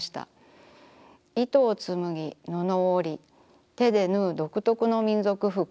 糸を紡ぎ布を織り手で縫う独特の民族服。